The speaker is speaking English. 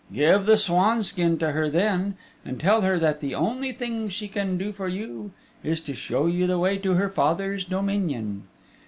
Give the swanskin to her then, and tell her that the only thing she can do for you is to show you the way to her father's dominion.